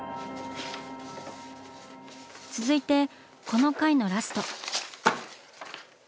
続いてこの回のラスト。